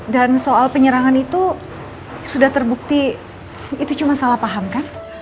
dan soal penyerangan itu sudah terbukti itu cuma salah paham kan